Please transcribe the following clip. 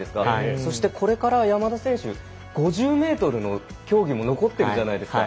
そしてこれから山田選手５０ｍの競技も残っているじゃないですか。